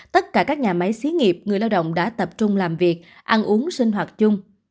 tất cả các nhà máy xí nghiệp người lao động đã tập trung làm việc ăn uống sinh hoạt chung